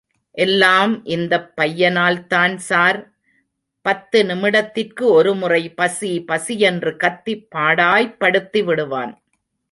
எல்லாம் இந்தப் பையனால்தான் சார், பத்து நிமிடத்திற்கு ஒரு முறை பசி பசியென்று கத்தி, பாடாய் படுத்திவிடுவான்.